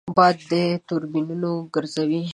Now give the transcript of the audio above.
باد د بادو توربینونه ګرځوي